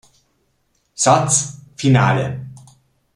Satz: "Finale.